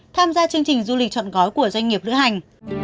tham gia chương trình du lịch chọn gói của doanh nghiệp lữ hành